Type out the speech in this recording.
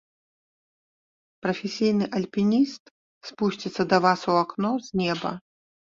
Прафесійны альпініст спусціцца да вас у акно з неба.